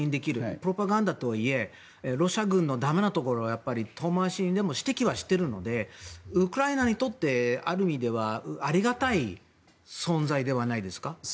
プロパガンダとはいえロシア軍のだめなところを遠回しにでも指摘はしているのでウクライナにとってある意味ではありがたい存在ではないですか。